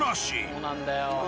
そうなんだよ。